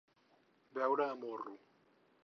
Beure a morro.